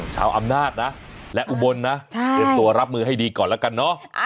ชาวอำนาจนะและอุบลนะเตรียมตัวรับมือให้ดีก่อนแล้วกันเนอะ